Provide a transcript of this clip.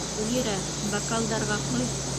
Гөллирә, бокалдарға ҡой!..